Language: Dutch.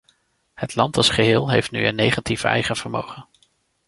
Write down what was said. Het land als geheel heeft nu een negatief eigen vermogen.